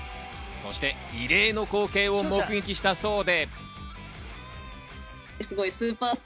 そして異例の光景を目撃したそうで。